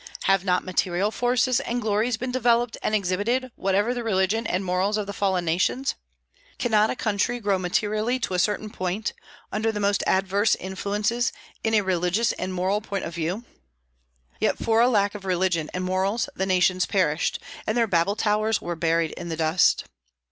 Have not material forces and glories been developed and exhibited, whatever the religion and morals of the fallen nations? Cannot a country grow materially to a certain point, under the most adverse influences, in a religious and moral point of view? Yet for lack of religion and morals the nations perished, and their Babel towers were buried in the dust.